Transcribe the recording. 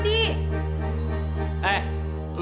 gue mau ke rumah